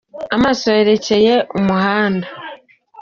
Amaso yerekeye umuhanda.